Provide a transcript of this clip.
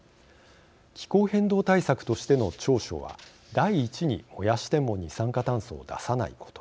気候変動対策としての長所は第一に燃やしても二酸化炭素を出さないこと。